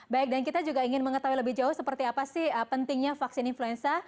baik dan kita juga ingin mengetahui lebih jauh seperti apa sih pentingnya vaksin influenza